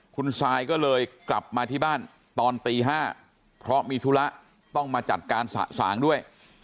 คุณซายก็เลยกลับมาที่บ้านตอนตี๕เพราะมีธุระต้องมาจัดการสะสางด้วย